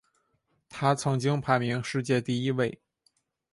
他曾经排名世界第一位。